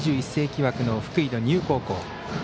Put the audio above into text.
２１世紀枠の福井の丹生高校。